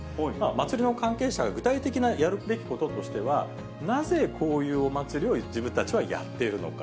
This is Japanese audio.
祭りの関係者が具体的なやるべきこととしては、なぜこういうお祭りを自分たちはやっているのか。